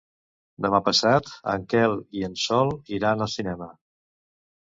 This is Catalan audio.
Demà passat en Quel i en Sol iran al cinema.